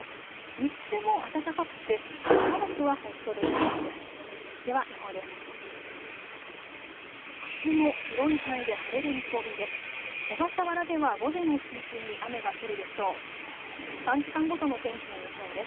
日中も暖かくてしばらくはほっとできそうです。